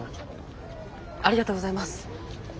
ありがとうございます。